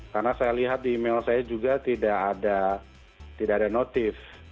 karena saya lihat di email saya juga tidak ada notif